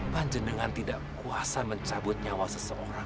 kanjeng dengan tidak kuasa mencabut nyawa seseorang